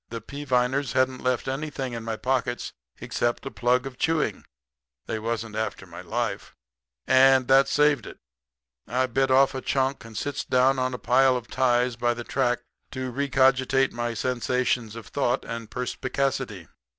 The Peaviners hadn't left anything in my pockets except a plug of chewing they wasn't after my life and that saved it. I bit off a chunk and sits down on a pile of ties by the track to recogitate my sensations of thought and perspicacity.